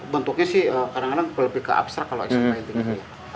bentuknya sih kadang kadang lebih ke abstrak kalau action painting gitu ya